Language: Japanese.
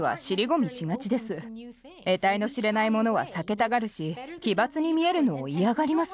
得体の知れないものは避けたがるし奇抜に見えるのを嫌がります。